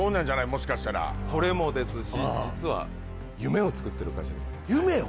もしかしたらそれもですし実は夢を作ってる会社でもある夢を？